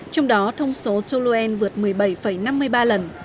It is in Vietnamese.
trong đó thông số toluen vượt một mươi bảy năm mươi ba lần